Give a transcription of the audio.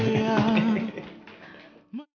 jangan lupa like share dan subscribe ya